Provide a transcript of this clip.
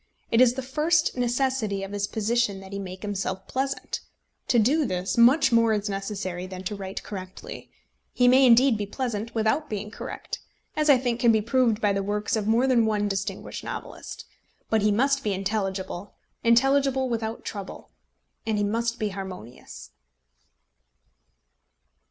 It is the first necessity of his position that he make himself pleasant. To do this, much more is necessary than to write correctly. He may indeed be pleasant without being correct, as I think can be proved by the works of more than one distinguished novelist. But he must be intelligible, intelligible without trouble; and he must be harmonious.